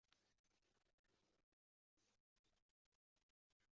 中途遇到京兆尹解恽和定陶王刘祉。